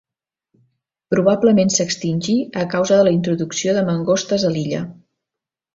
Probablement s'extingí a causa de la introducció de mangostes a l'illa.